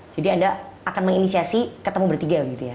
jadi anda akan menginisiasi ketemu bertiga begitu ya